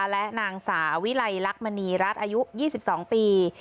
และนางสาวิไลลักษมณีรัฐอายุ๒๒ปี